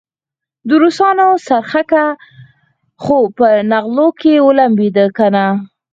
د روسانو څرخکه خو په نغلو کې ولمبېدله کنه.